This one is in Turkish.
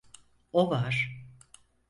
O var.